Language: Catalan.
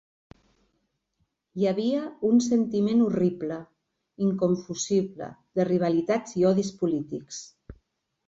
Hi havia un sentiment horrible, inconfusible, de rivalitats i odis polítics